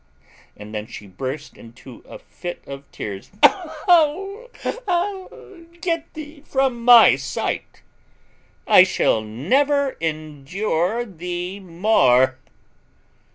(and then she burst into a fit of tears.) "Get thee from my sight! I shall never endure thee more."